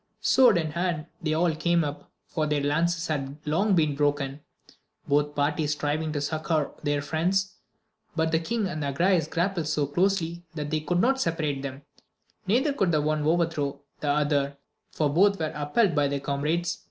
Sword in hand they all came up, for their lances had long been broken, both parties striving to succour their friends \ but the king and Agrayes grappled so closely that they could not separate 'them, neither could the one overthrow the other, for both were upheld by their comrades.